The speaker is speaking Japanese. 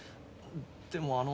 でもあの。